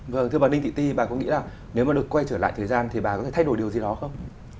vâng thưa bà đinh thị ti bà có nghĩ là nếu mà được quay trở lại thời gian thì bà có thể thay đổi điều gì đó không